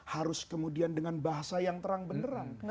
harus kemudian dengan bahasa yang terang beneran